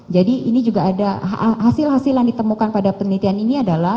jadi ini juga ada hasil hasil yang ditemukan pada penelitian ini adalah